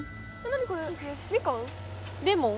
レモン？